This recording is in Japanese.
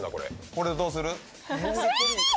これでどうする？